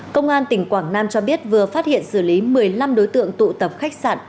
công an tỉnh quảng nam cho biết vừa phát hiện xử lý một mươi năm đối tượng tụ tập khách sạn